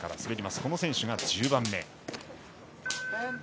この選手が１０番目。